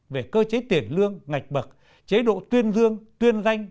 về cơ chế tiền lương ngạch bậc chế độ tuyên dương tuyên danh